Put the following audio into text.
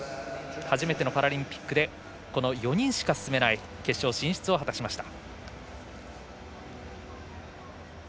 初めてのパラリンピックで４人しか進めない決勝進出を果たしました。